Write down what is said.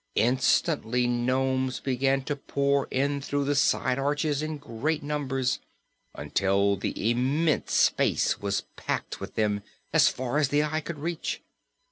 Instantly nomes began to pour in through the side arches in great numbers, until the immense space was packed with them as far as the eye could reach.